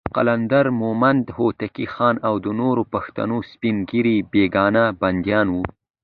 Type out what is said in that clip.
قلندر مومند، هوتي خان، او د نورو پښتنو سپین ږیري بېګناه بندیان وو.